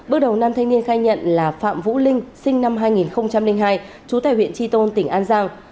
bước đầu nam thanh niên khai nhận là phạm vũ linh sinh năm hai nghìn hai trú tại huyện tri tôn tỉnh an giang